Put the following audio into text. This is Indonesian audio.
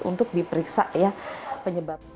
untuk diperiksa ya penyebab